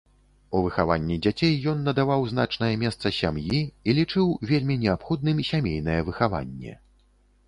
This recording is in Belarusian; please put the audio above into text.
У выхаванні дзяцей ён надаваў значнае месца сям'і і лічыў вельмі неабходным сямейнае выхаванне.